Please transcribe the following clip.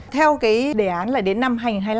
theo cái đề án là đến năm hai nghìn hai mươi năm